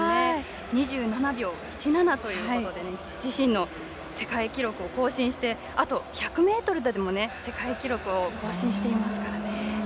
２７秒１７ということで自身の世界記録を更新して、あと１００ｍでも世界記録を更新していますからね。